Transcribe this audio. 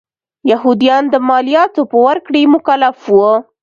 یهودیان د مالیاتو په ورکړې مکلف و.